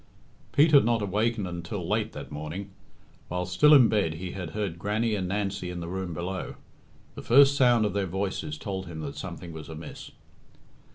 Pete had not awakened until late that morning. While still in bed he had heard Grannie and Nancy in the room below. The first sound of their voices told him that something was amiss.